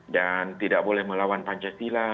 tidak boleh melawan pancasila